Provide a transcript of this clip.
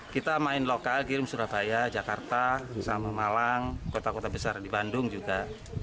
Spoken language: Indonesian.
kita main lokal kirim surabaya jakarta sama malang kota kota besar di bandung juga